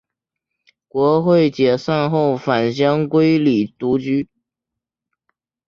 国会解散后返乡归里独居。